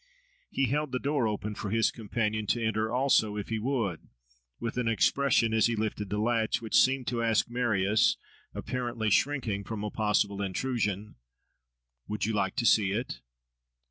He held the door open for his companion to enter also, if he would; with an expression, as he lifted the latch, which seemed to ask Marius, apparently shrinking from a possible intrusion: "Would you like to see it?"